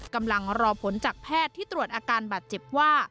กำลังรอผลจากแพทย์ที่ตรวจอาการบาดเจ็บว่า